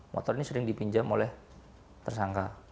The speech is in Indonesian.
motor ini sering dipinjam oleh tersangka